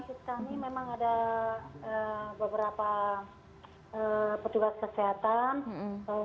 ya di rumah sakit kami memang ada beberapa petugas kesehatan